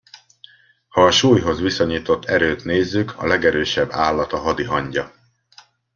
Ha a súlyhoz viszonyított erőt nézzük, a legerősebb állat a hadi hangya.